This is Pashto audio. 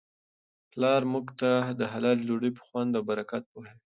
پلارموږ ته د حلالې ډوډی په خوند او برکت پوهوي.